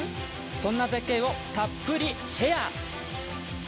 そんな絶景をたっぷりシェア。